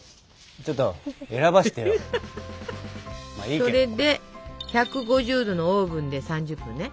それで１５０℃のオーブンで３０分ね。